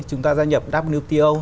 chúng ta gia nhập wto